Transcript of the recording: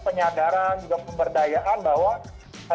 penyadaran juga pemberdayaan bahwa